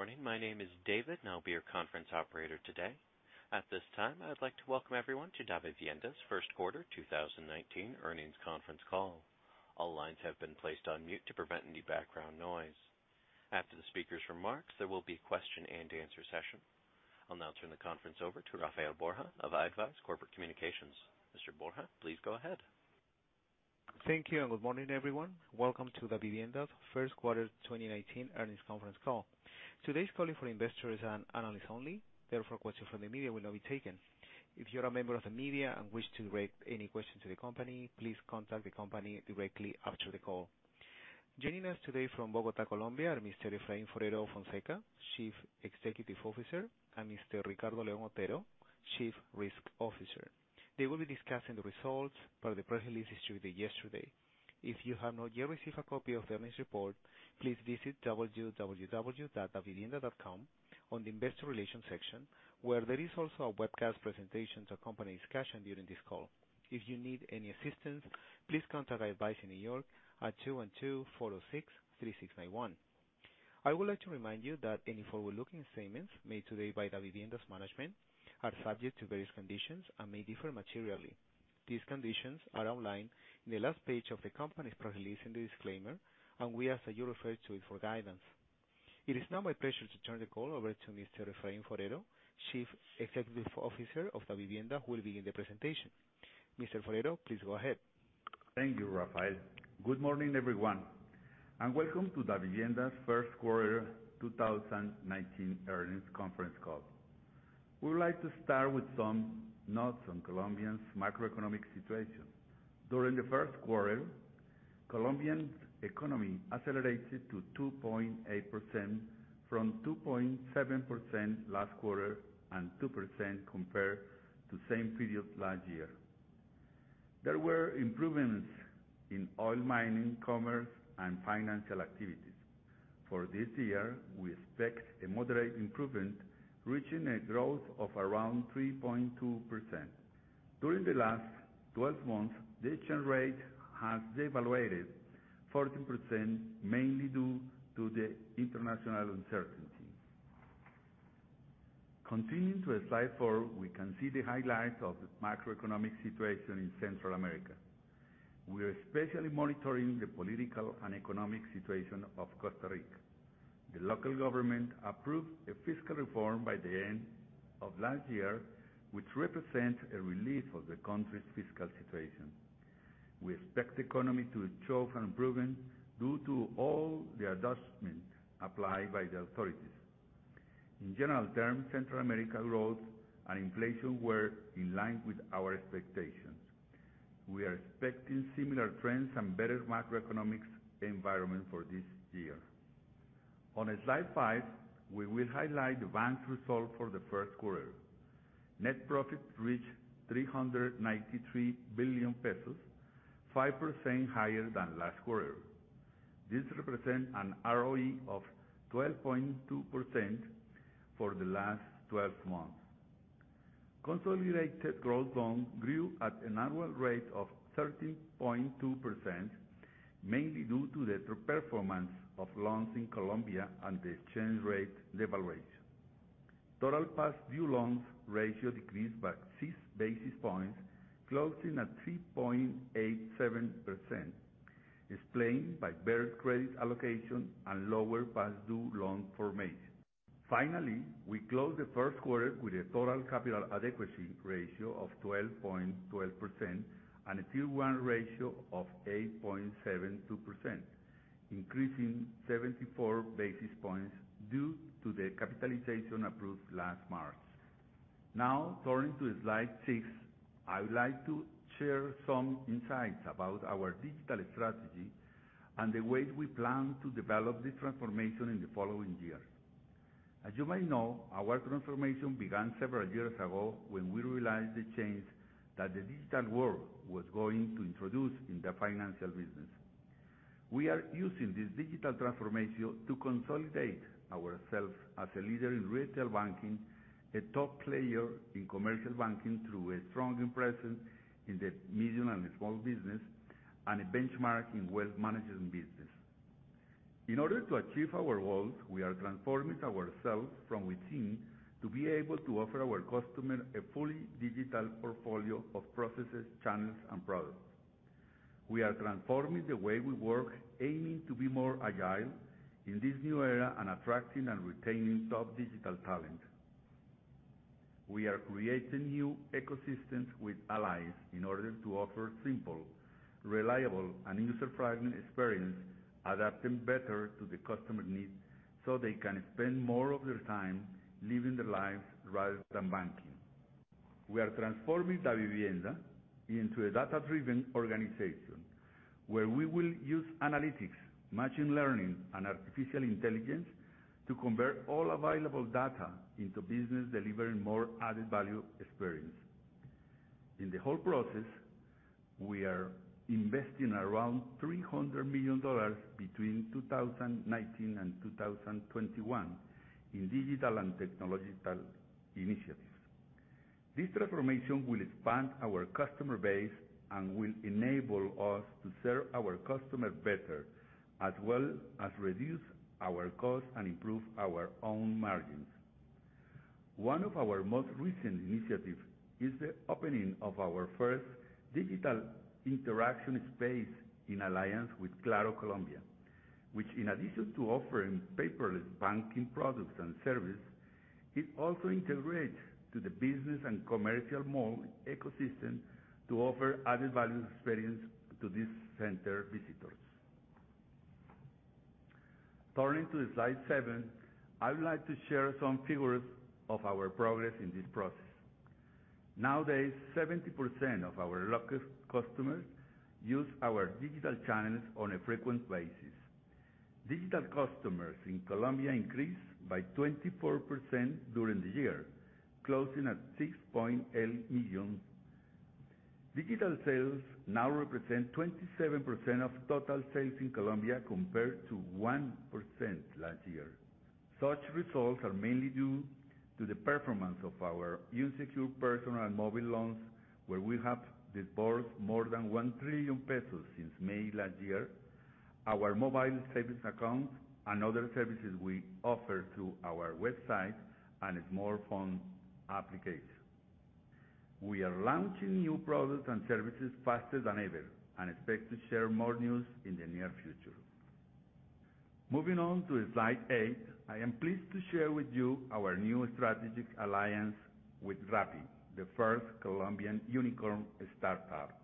Good morning. My name is David, and I'll be your conference operator today. At this time, I would like to welcome everyone to Davivienda's first quarter 2019 earnings conference call. All lines have been placed on mute to prevent any background noise. After the speaker's remarks, there will be a question and answer session. I'll now turn the conference over to Rafael Borja of i-advize Corporate Communications. Mr. Borja, please go ahead. Thank you. Good morning, everyone. Welcome to Davivienda's first quarter 2019 earnings conference call. Today's call is for investors and analysts only. Questions from the media will not be taken. If you're a member of the media and wish to direct any questions to the company, please contact the company directly after the call. Joining us today from Bogota, Colombia are Mr. Efraín Forero Fonseca, Chief Executive Officer, and Mr. Ricardo León Otero, Chief Risk Officer. They will be discussing the results per the press release distributed yesterday. If you have not yet received a copy of the earnings report, please visit www.davivienda.com on the investor relation section, where there is also a webcast presentation to accompany discussion during this call. If you need any assistance, please contact i-advize in New York at 212-406-3691. I would like to remind you that any forward-looking statements made today by Davivienda's management are subject to various conditions and may differ materially. These conditions are outlined in the last page of the company's press release in the disclaimer. We ask that you refer to it for guidance. It is now my pleasure to turn the call over to Mr. Efraín Forero, Chief Executive Officer of Davivienda, who will begin the presentation. Mr. Forero, please go ahead. Thank you, Rafael. Good morning, everyone. Welcome to Davivienda's first quarter 2019 earnings conference call. We would like to start with some notes on Colombia's macroeconomic situation. During the first quarter, Colombian economy accelerated to 2.8% from 2.7% last quarter and 2% compared to same period last year. There were improvements in oil mining, commerce, and financial activities. For this year, we expect a moderate improvement, reaching a growth of around 3.2%. During the last 12 months, the exchange rate has devaluated 14%, mainly due to the international uncertainty. Continuing to slide 4, we can see the highlights of the macroeconomic situation in Central America. We are especially monitoring the political and economic situation of Costa Rica. The local government approved a fiscal reform by the end of last year, which represents a relief of the country's fiscal situation. We expect the economy to show an improvement due to all the adjustments applied by the authorities. In general terms, Central America growth and inflation were in line with our expectations. We are expecting similar trends and better macroeconomics environment for this year. On slide five, we will highlight the bank's results for the first quarter. Net profit reached COP 393 billion, 5% higher than last quarter. This represents an ROE of 12.2% for the last 12 months. Consolidated gross loans grew at an annual rate of 13.2%, mainly due to the outperformance of loans in Colombia and the exchange rate devaluation. Total past due loans ratio decreased by six basis points, closing at 3.87%, explained by better credit allocation and lower past due loan formation. Finally, we closed the first quarter with a total capital adequacy ratio of 12.12% and a Tier 1 ratio of 8.72%, increasing 74 basis points due to the capitalization approved last March. Turning to slide six, I would like to share some insights about our digital strategy and the way we plan to develop the transformation in the following year. As you may know, our transformation began several years ago when we realized the change that the digital world was going to introduce in the financial business. We are using this digital transformation to consolidate ourselves as a leader in retail banking, a top player in commercial banking through a strong presence in the medium and small business, and a benchmark in wealth management business. In order to achieve our goals, we are transforming ourselves from within to be able to offer our customer a fully digital portfolio of processes, channels, and products. We are transforming the way we work, aiming to be more agile in this new era and attracting and retaining top digital talent. We are creating new ecosystems with allies in order to offer simple, reliable, and user-friendly experience adapting better to the customer needs so they can spend more of their time living their lives rather than banking. We are transforming Davivienda into a data-driven organization where we will use analytics, machine learning, and artificial intelligence to convert all available data into business delivering more added value experience. In the whole process, we are investing around COP 300 million between 2019 and 2021 in digital and technological initiatives. This transformation will expand our customer base and will enable us to serve our customers better, as well as reduce our costs and improve our own margins. One of our most recent initiatives is the opening of our first digital interaction space in alliance with Claro Colombia, which in addition to offering paperless banking products and services, it also integrates to the business and commercial mall ecosystem to offer added value experience to these center visitors. Turning to slide seven, I would like to share some figures of our progress in this process. Nowadays, 70% of our local customers use our digital channels on a frequent basis. Digital customers in Colombia increased by 24% during the year, closing at 6.8 million. Digital sales now represent 27% of total sales in Colombia, compared to 1% last year. Such results are mainly due to the performance of our unsecured personal and mobile loans, where we have disbursed more than COP 1 trillion since May last year, our mobile savings account, and other services we offer through our website and smartphone application. We are launching new products and services faster than ever and expect to share more news in the near future. Moving on to slide eight, I am pleased to share with you our new strategic alliance with Rappi, the first Colombian unicorn startup.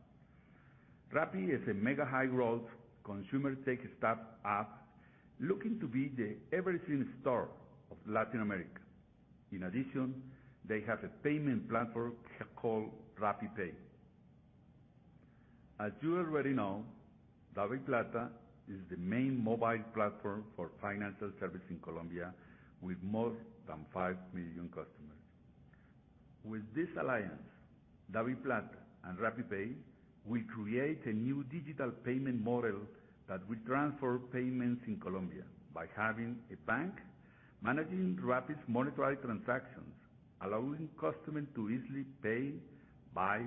Rappi is a mega high-growth consumer tech startup app looking to be the everything store of Latin America. In addition, they have a payment platform called RappiPay. As you already know, DaviPlata is the main mobile platform for financial services in Colombia, with more than five million customers. With this alliance, DaviPlata and RappiPay will create a new digital payment model that will transform payments in Colombia by having a bank managing Rappi's monetary transactions, allowing customers to easily pay, buy,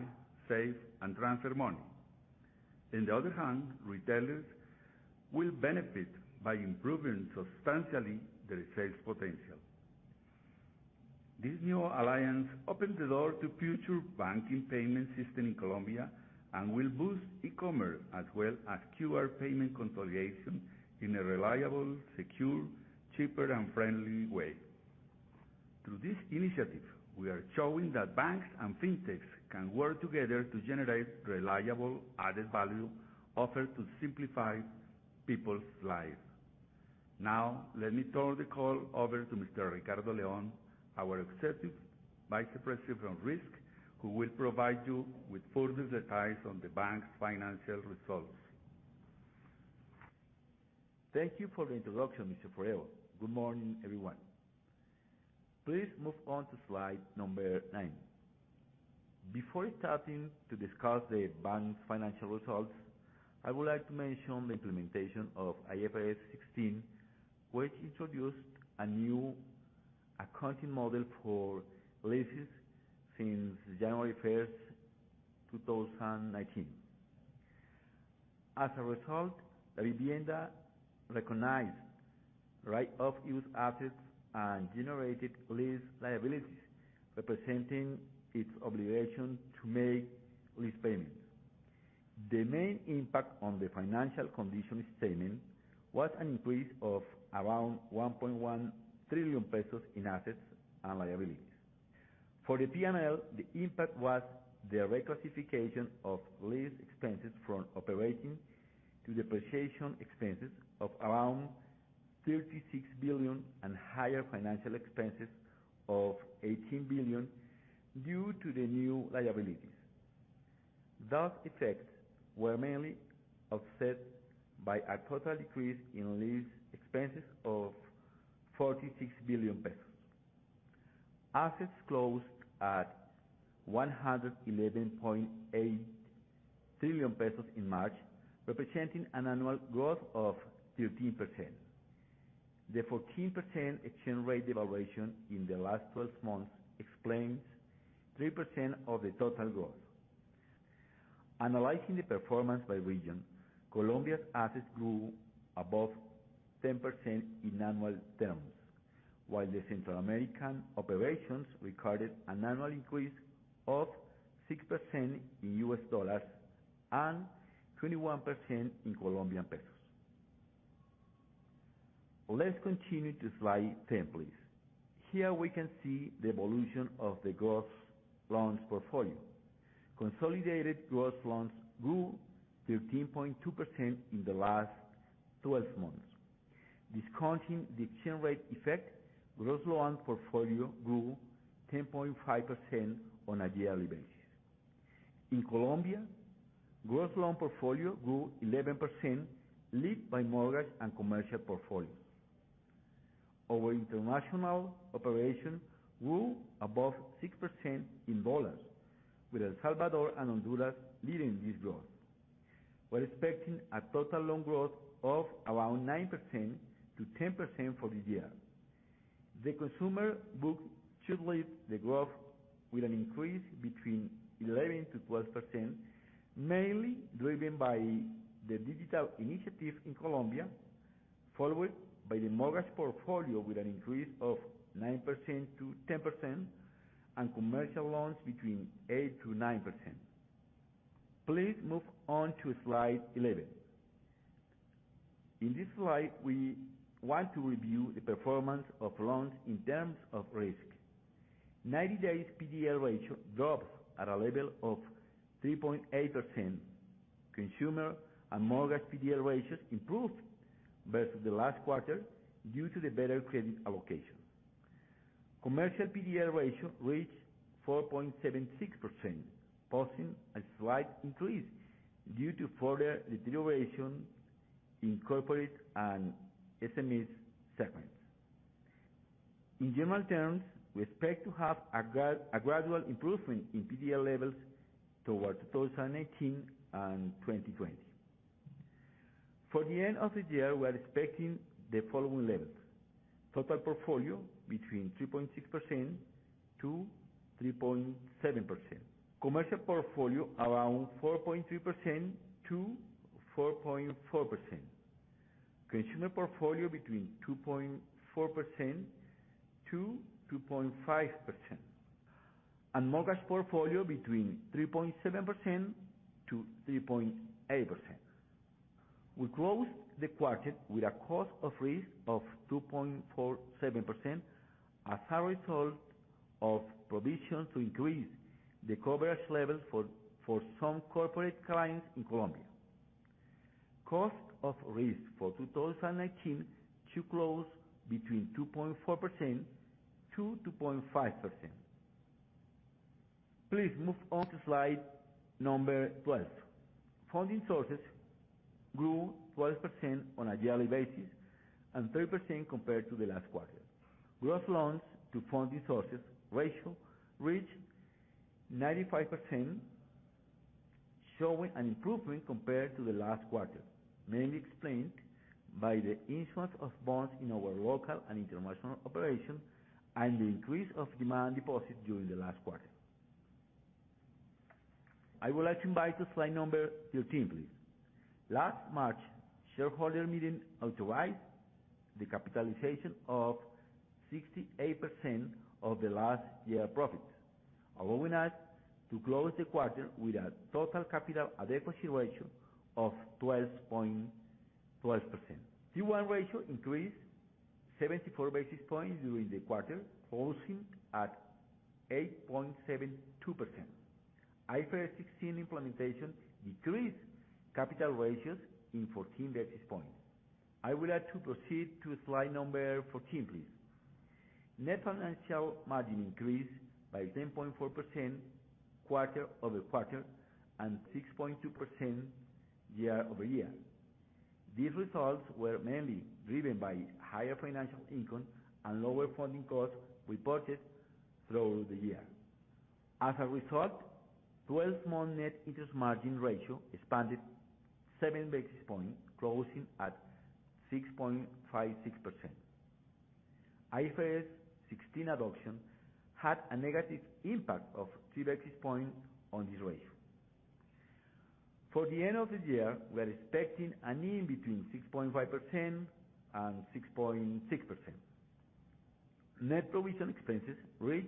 save, and transfer money. On the other hand, retailers will benefit by improving substantially their sales potential. This new alliance opens the door to future banking payment systems in Colombia and will boost e-commerce as well as QR payment consolidation in a reliable, secure, cheaper, and friendly way. Through this initiative, we are showing that banks and fintechs can work together to generate reliable added-value offers to simplify people's lives. Now, let me turn the call over to Mr. Ricardo León, our Executive Vice President of Risk, who will provide you with further details on the bank's financial results. Thank you for the introduction, Mr. Forero. Good morning, everyone. Please move on to slide number nine. Before starting to discuss the bank's financial results, I would like to mention the implementation of IFRS 16, which introduced a new accounting model for leases since January 1st, 2019. As a result, Davivienda recognized write-off used assets and generated lease liabilities representing its obligation to make lease payments. The main impact on the financial condition statement was an increase of around COP 1.1 trillion in assets and liabilities. For the P&L, the impact was the reclassification of lease expenses from operating to depreciation expenses of around COP 36 billion and higher financial expenses of COP 18 billion due to the new liabilities. Those effects were mainly offset by a total decrease in lease expenses of COP 46 billion. Assets closed at COP 111.8 trillion in March, representing an annual growth of 13%. The 14% exchange rate devaluation in the last 12 months explains 3% of the total growth. Analyzing the performance by region, Colombia's assets grew above 10% in annual terms, while the Central American operations recorded an annual increase of 6% in U.S. dollars and 21% in COP. Let's continue to slide 10, please. Here we can see the evolution of the gross loans portfolio. Consolidated gross loans grew 13.2% in the last 12 months. Discounting the exchange rate effect, gross loan portfolio grew 10.5% on a yearly basis. In Colombia, gross loan portfolio grew 11%, led by mortgage and commercial portfolios. Our international operation grew above 6% in U.S. dollars, with El Salvador and Honduras leading this growth. We're expecting a total loan growth of around 9%-10% for this year. The consumer book should lead the growth with an increase between 11%-12%, mainly driven by the digital initiative in Colombia, followed by the mortgage portfolio with an increase of 9%-10%, and commercial loans between 8%-9%. Please move on to slide 11. In this slide, we want to review the performance of loans in terms of risk. 90 days PDL ratio dropped at a level of 3.8%. Consumer and mortgage PDL ratios improved versus the last quarter due to the better credit allocation. Commercial PDL ratio reached 4.76%, posing a slight increase due to further deterioration in corporate and SMEs segments. In general terms, we expect to have a gradual improvement in PDL levels towards 2019 and 2020. For the end of the year, we are expecting the following levels: total portfolio between 3.6%-3.7%, commercial portfolio around 4.3%-4.4%, consumer portfolio between 2.4%-2.5%, and mortgage portfolio between 3.7%-3.8%. We closed the quarter with a cost of risk of 2.47% as a result of provisions to increase the coverage level for some corporate clients in Colombia. Cost of risk for 2019 should close between 2.4%-2.5%. Please move on to slide number 12. Funding sources grew 12% on a yearly basis and 3% compared to the last quarter. Gross loans to funding sources ratio reached 95%, showing an improvement compared to the last quarter, mainly explained by the issuance of bonds in our local and international operations, and the increase of demand deposits during the last quarter. I would like to invite to slide number 13, please. Last March, shareholder meeting authorized the capitalization of 68% of the last year profits, allowing us to close the quarter with a total capital adequacy ratio of 12.12%. CET1 ratio increased 74 basis points during the quarter, closing at 8.72%. IFRS 16 implementation decreased capital ratios in 14 basis points. I would like to proceed to slide number 14, please. Net financial margin increased by 10.4% quarter-over-quarter and 6.2% year-over-year. These results were mainly driven by higher financial income and lower funding costs reported throughout the year. As a result, 12-month net interest margin ratio expanded seven basis points, closing at 6.56%. IFRS 16 adoption had a negative impact of three basis points on this ratio. For the end of the year, we are expecting an in between 6.5% and 6.6%. Net provision expenses reached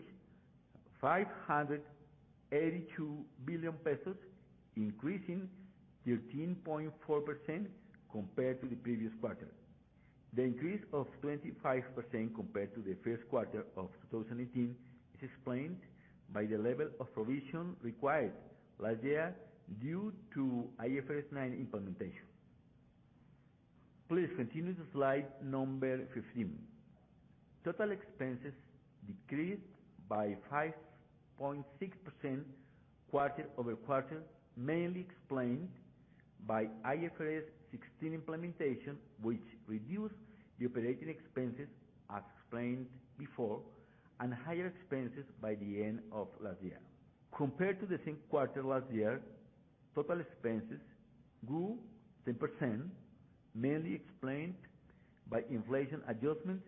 COP 582 billion, increasing 13.4% compared to the previous quarter. The increase of 25% compared to the first quarter of 2018 is explained by the level of provision required last year due to IFRS 9 implementation. Please continue to slide number 15. Total expenses decreased by 5.6% quarter-over-quarter, mainly explained by IFRS 16 implementation, which reduced the operating expenses as explained before, and higher expenses by the end of last year. Compared to the same quarter last year, total expenses grew 10%, mainly explained by inflation adjustments,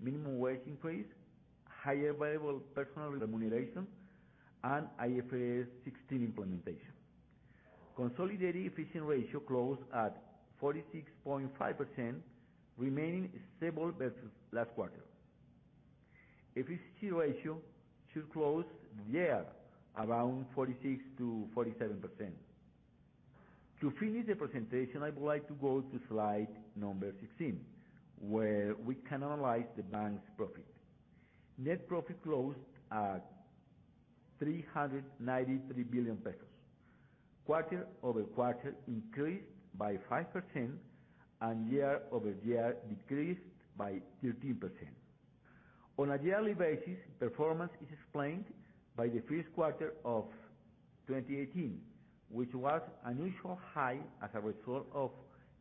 minimum wage increase, higher variable personal remuneration, and IFRS 16 implementation. Consolidated efficiency ratio closed at 46.5%, remaining stable versus last quarter. Efficiency ratio should close the year around 46%-47%. To finish the presentation, I would like to go to slide number 16, where we can analyze the bank's profit. Net profit closed at COP 393 billion, quarter-over-quarter increased by 5%, and year-over-year decreased by 13%. On a yearly basis, performance is explained by the first quarter of 2018, which was unusually high as a result of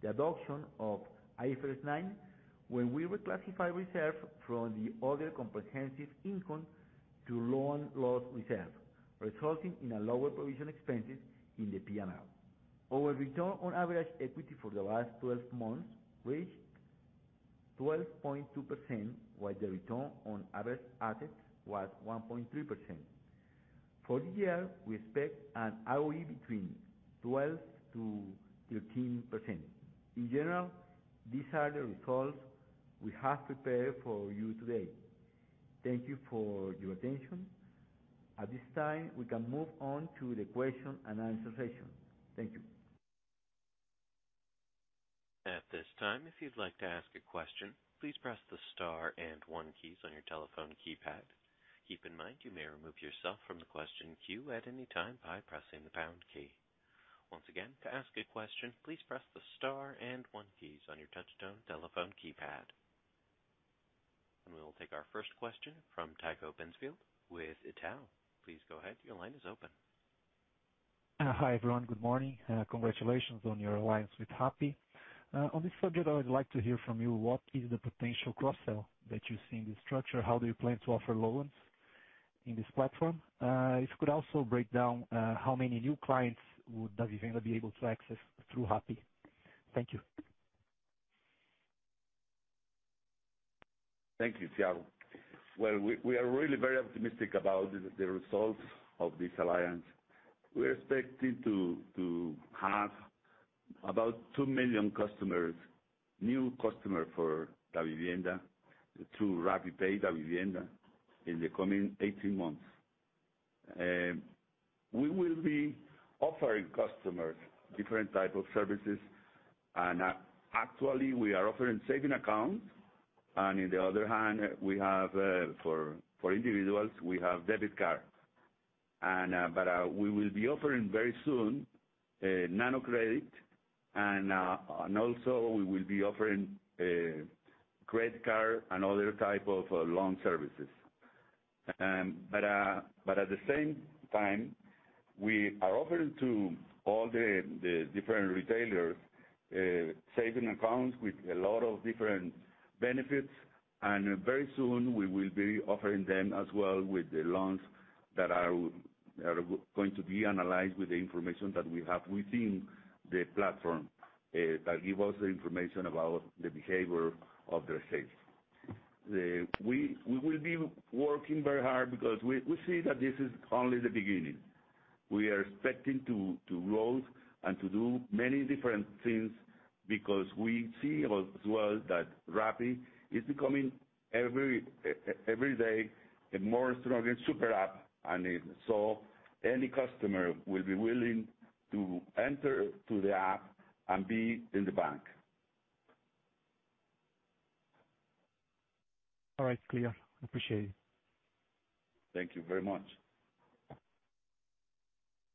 the adoption of IFRS 9, when we reclassified reserve from the other comprehensive income to loan loss reserve, resulting in lower provision expenses in the P&L. Our return on average equity for the last 12 months reached 12.2%, while the return on average assets was 1.3%. For the year, we expect an ROE between 12%-13%. In general, these are the results we have prepared for you today. Thank you for your attention. At this time, we can move on to the question and answer session. Thank you. At this time, if you'd like to ask a question, please press the star and one keys on your telephone keypad. Keep in mind, you may remove yourself from the question queue at any time by pressing the pound key. Once again, to ask a question, please press the star and one keys on your touchtone telephone keypad. We will take our first question from Thiago Batista with Itaú. Please go ahead. Your line is open. Hi, everyone. Good morning. Congratulations on your alliance with Rappi. On this subject, I would like to hear from you what is the potential cross-sell that you see in this structure? How do you plan to offer loans in this platform? If you could also break down how many new clients would Davivienda be able to access through Rappi. Thank you. Thank you, Thiago. Well, we are really very optimistic about the results of this alliance. We are expecting to have about 2 million new customers for Davivienda through RappiPay Davivienda in the coming 18 months. We will be offering customers different type of services, and actually, we are offering saving accounts, and on the other hand, for individuals, we have debit cards. We will be offering very soon nano credit, and also we will be offering credit card and other type of loan services. At the same time, we are offering to all the different retailers saving accounts with a lot of different benefits. Very soon, we will be offering them as well with the loans that are going to be analyzed with the information that we have within the platform, that give us the information about the behavior of their sales. We will be working very hard because we see that this is only the beginning. We are expecting to grow and to do many different things because we see as well that Rappi is becoming, every day, a more stronger super app. Any customer will be willing to enter to the app and be in the bank. All right. Clear. Appreciate it. Thank you very much.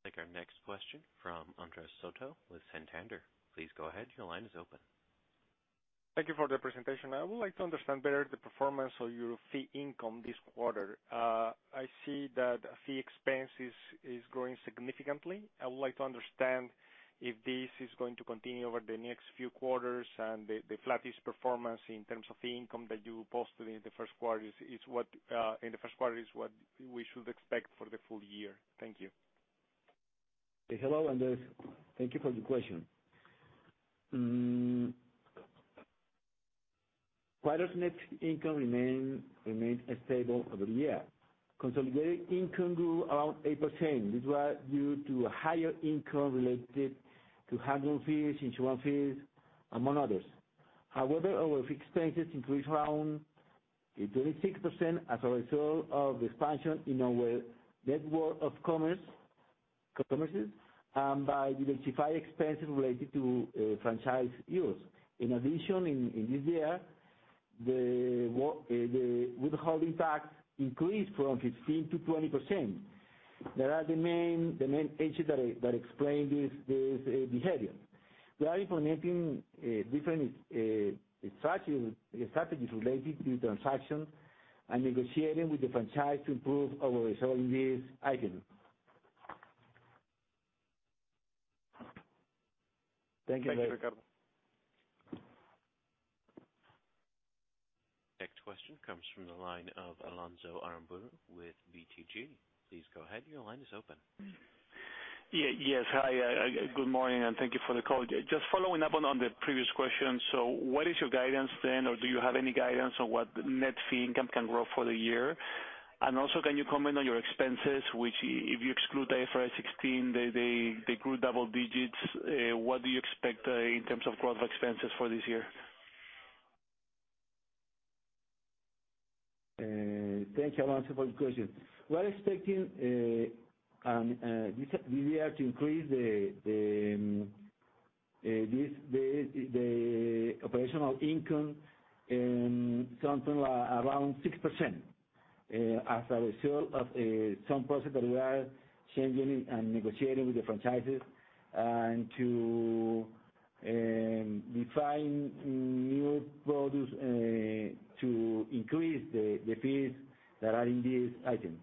Take our next question from Andres Soto with Santander. Please go ahead. Your line is open. Thank you for the presentation. I would like to understand better the performance of your fee income this quarter. I see that fee expense is growing significantly. I would like to understand if this is going to continue over the next few quarters, and the flattest performance in terms of the income that you posted in the first quarter is what we should expect for the full year. Thank you. Hello, Andres. Thank you for your question. Quarter's net income remained stable over the year. Consolidated income grew around 8%. This was due to higher income related to handling fees, insurance fees, among others. However, our fee expenses increased around 26% as a result of the expansion in our network of commerces, and by diversified expenses related to franchise use. In addition, in this year, the withholding tax increased from 15% to 20%. That are the main issues that explain this behavior. We are implementing different strategies related to transaction and negotiating with the franchise to improve our result in this item. Thank you. Thank you, Ricardo. Next question comes from the line of Alonso Aramburu with BTG. Please go ahead. Your line is open. Yes, hi. Good morning. Thank you for the call. Just following up on the previous question, what is your guidance then, or do you have any guidance on what net fee income can grow for the year? Also, can you comment on your expenses, which, if you exclude the IFRS 16, they grew double digits. What do you expect in terms of growth of expenses for this year? Thank you, Alonso, for your question. We are expecting this year to increase the operational income something around 6%. As a result of some process that we are changing and negotiating with the franchises and to define new products to increase the fees that are in this item.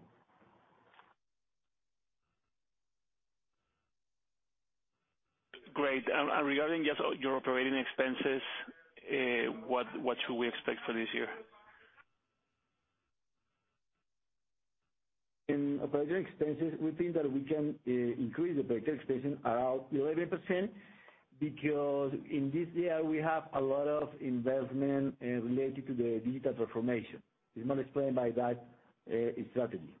Great. Regarding just your operating expenses, what should we expect for this year? In operating expenses, we think that we can increase the operating expenses around 11%, because in this year we have a lot of investment related to the digital transformation. It's more explained by that strategy.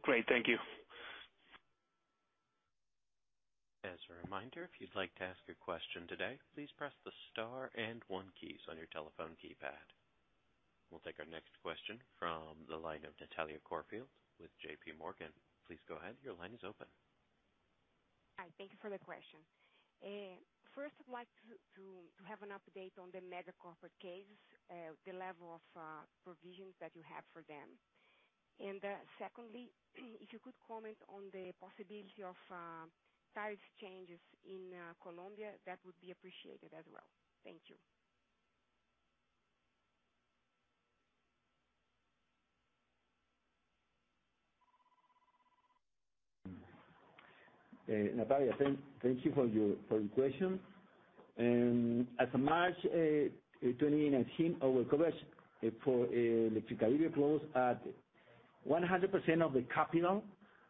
Great. Thank you. As a reminder, if you'd like to ask a question today, please press the star and one keys on your telephone keypad. We'll take our next question from the line of Natalia Corfield with J.P. Morgan. Please go ahead. Your line is open. Hi, thank you for the question. First, I'd like to have an update on the mega corporate case, the level of provisions that you have for them. Secondly, if you could comment on the possibility of tariff changes in Colombia, that would be appreciated as well. Thank you. Natalia, thank you for your question. As of March 2019, our coverage for Electricaribe closed at 100% of the capital.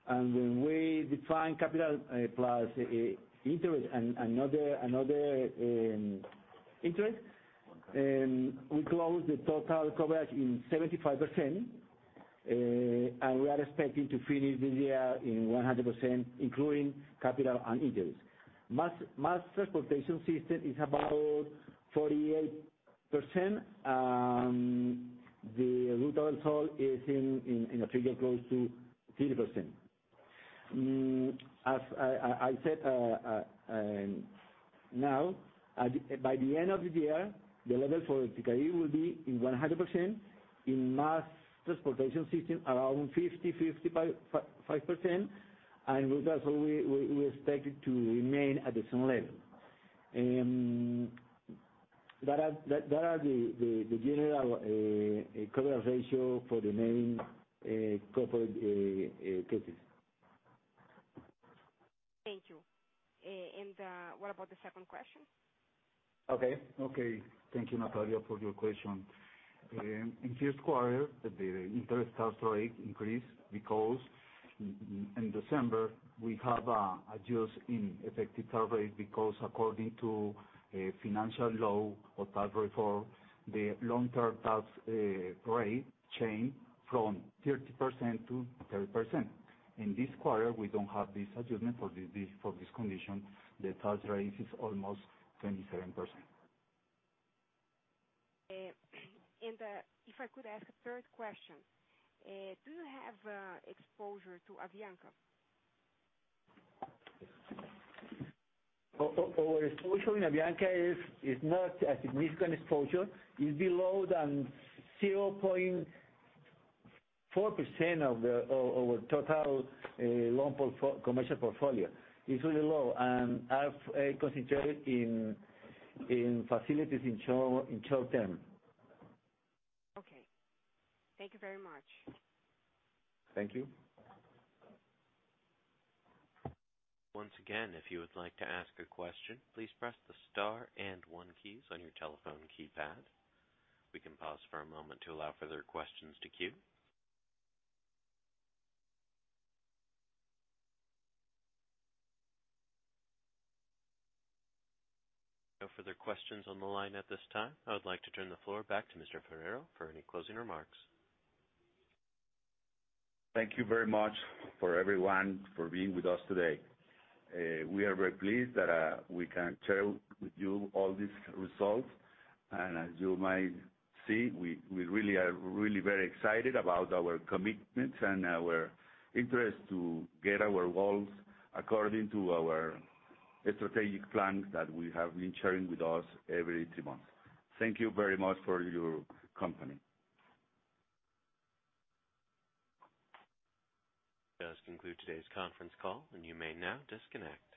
When we define capital plus interest and another interest, we closed the total coverage in 75%, and we are expecting to finish this year in 100%, including capital and interest. Mass Transportation System is about 48%. The Ruta del Sol is in a figure close to 30%. As I said now, by the end of the year, the level for Electricaribe will be in 100%, in Mass Transportation System, around 50%-55%. Ruta del Sol we expect it to remain at the same level. That are the general coverage ratio for the main corporate cases. Thank you. What about the second question? Okay. Thank you, Natalia, for your question. In first quarter, the interest tax rate increased because in December we have adjust in effective tax rate because according to a Financing Law or tax reform, the long-term tax rate changed from 30% to 30%. In this quarter, we don't have this adjustment for this condition. The tax rate is almost 27%. If I could ask a third question. Do you have exposure to Avianca? Our exposure in Avianca is not a significant exposure. It's below the 0.4% of our total loan commercial portfolio. It's really low, and I've concentrated in facilities in short-term. Okay. Thank you very much. Thank you. Once again, if you would like to ask a question, please press the star and one keys on your telephone keypad. We can pause for a moment to allow further questions to queue. No further questions on the line at this time. I would like to turn the floor back to Mr. Forero for any closing remarks. Thank you very much for everyone for being with us today. We are very pleased that we can share with you all these results. As you might see, we really are very excited about our commitments and our interest to get our goals according to our strategic plan that we have been sharing with us every three months. Thank you very much for your company. This does conclude today's conference call, and you may now disconnect.